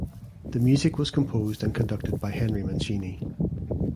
The music was composed and conducted by Henry Mancini.